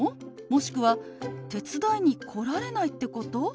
もしくは「手伝いに来られないってこと？」と